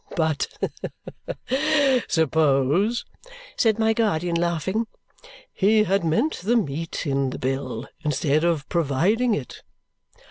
'" "But, suppose," said my guardian, laughing, "he had meant the meat in the bill, instead of providing it?"